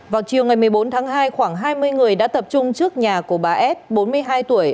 vào chiều ngày một mươi bốn tháng hai khoảng hai mươi người đã tập trung trước nhà của bà f bốn mươi hai tuổi